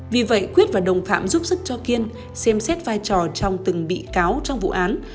vì vậy quyết và đồng phạm giúp sức cho kiên xem xét vai trò trong từng bị cáo trong vụ án